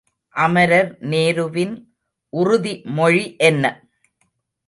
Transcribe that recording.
அமரர் நேருவின் உறுதி மொழி என்ன?